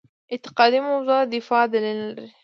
اعتقادي موضع دفاع دلیل نه لري.